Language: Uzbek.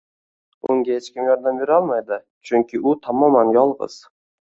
Unga hech kim yordam bera olmaydi, chunki u tamoman yolgʻiz